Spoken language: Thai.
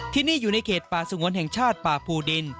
ที่นี่อยู่ในเขตป่าสงวนแห่งชาติป่าภูดิน